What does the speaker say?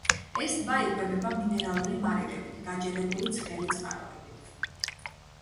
ეს ტბა იკვებება მინერალური მარილებით გაჯერებული ცხელი წყაროებით.